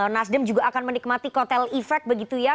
nasdem juga akan menikmati kotel efek begitu ya